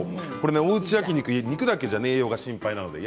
おうち焼き肉、肉だけじゃ栄養が心配です。